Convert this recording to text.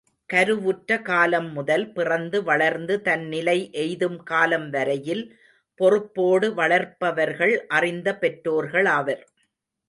கருவுற்ற காலம் முதல் பிறந்து வளர்ந்து தன் நிலை எய்தும் காலம் வரையில் பொறுப்போடு வளர்ப்பவர்கள் அறிந்த பெற்றோர்களாவர்.